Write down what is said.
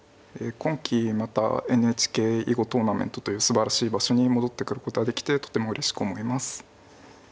今期またＮＨＫ囲碁トーナメントというすばらしい場所に戻ってくることができてとてもうれしく思います。